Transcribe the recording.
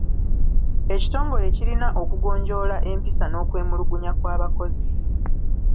Ekitongole kirina okugonjoola empisa n’okwemulugunya kw’abakozi.